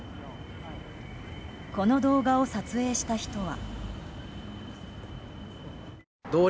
この動画を撮影した人は。